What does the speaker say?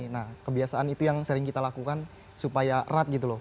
nah kebiasaan itu yang sering kita lakukan supaya erat gitu loh